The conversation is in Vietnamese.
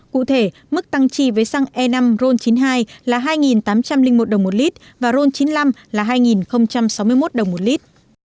cụ thể mức tăng chi với xăng e năm ron chín mươi hai là hai tám trăm linh một đồng một lít và ron chín mươi năm là hai sáu mươi một đồng một lít